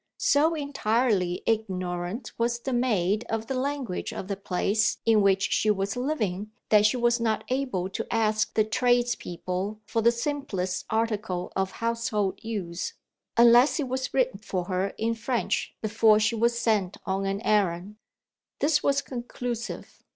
So entirely ignorant was the maid of the language of the place in which she was living, that she was not able to ask the tradespeople for the simplest article of household use, unless it was written for her in French before she was sent on an errand. This was conclusive.